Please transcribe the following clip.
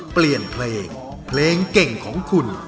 เปลี่ยนเพลงเพลงเก่งของคุณ